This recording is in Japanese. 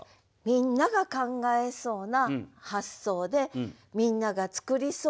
みんなが考えそうな発想でみんなが作りそうな句。